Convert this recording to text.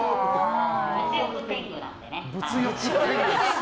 物欲天狗なんでね。